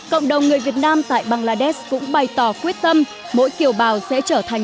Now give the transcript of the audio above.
cộng đồng người việt nam tại bangladesh cũng bày tỏ quyết tâm mỗi kiều bào sẽ trở thành